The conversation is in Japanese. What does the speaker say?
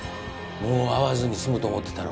もう会わずに済むと思ってたろ？